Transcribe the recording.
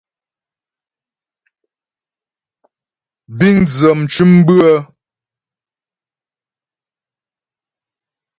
Bíŋ dzə mcʉ̌m bʉ́ə.